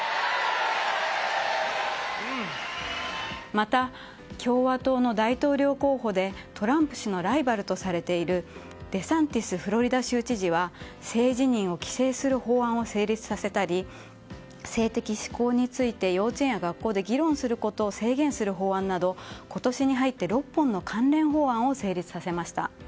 また、共和党の大統領候補でトランプ氏のライバルとされているデサンティスフロリダ州知事は性自認を規制する法案を成立させたり性的指向について幼稚園や学校で議論することを制限する法案など今年に入って６本の関連法案を成立させました。